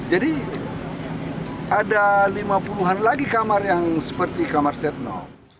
jadi ada lima puluh an lagi kamar yang seperti kamar setno